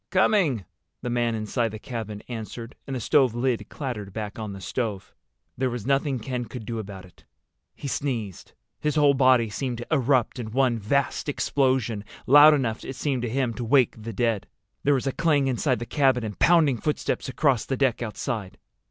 "Coming," the man inside the cabin answered, and the stove lid clattered back on the stove. There was nothing Ken could do about it. He sneezed. His whole body seemed to erupt in one vast explosion, loud enough—it seemed to him—to wake the dead. There was a clang inside the cabin and pounding footsteps across the deck outside.